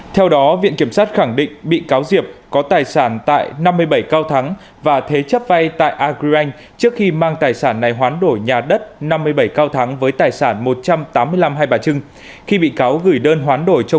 theo đó viện kiểm sát khẳng định bị cáo diệp